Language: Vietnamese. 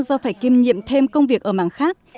do phải kiêm nhiệm thêm công việc ở mảng khác